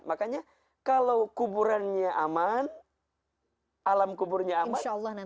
makanya kalau kuburannya aman alam kuburnya aman